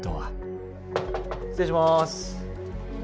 失礼します。